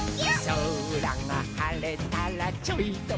「そらがはれたらちょいとむすび」